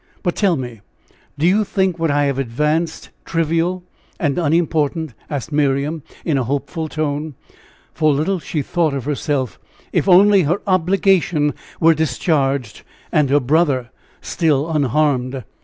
But tell me, do you think what I have advanced trivial and unimportant?" asked Miriam, in a hopeful tone, for little she thought of herself, if only her obligation were discharged, and her brother still unharmed.